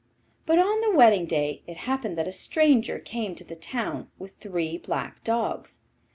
But on the wedding day it happened that a stranger came to the town with three black dogs.